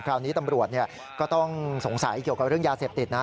คราวนี้ตำรวจก็ต้องสงสัยเกี่ยวกับเรื่องยาเสพติดนะ